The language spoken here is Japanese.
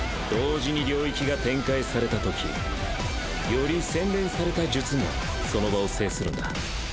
同時に領域が展開されたときより洗練された術がその場を制するんだ。